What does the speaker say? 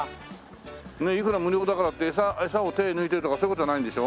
ねえいくら無料だからってエサを手ぇ抜いてるとかそういう事じゃないんでしょ？